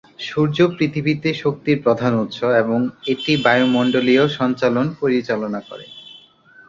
সূর্য পৃথিবীতে শক্তির প্রধান উৎস এবং এটি বায়ুমণ্ডলীয় সঞ্চালন পরিচালনা করে।